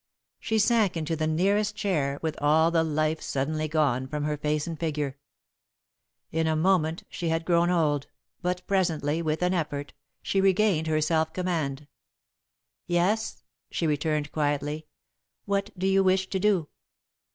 She sank into the nearest chair, with all the life suddenly gone from her face and figure. In a moment she had grown old, but presently, with an effort, she regained her self command. "Yes?" she returned, quietly. "What do you wish to do?"